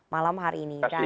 malam hari ini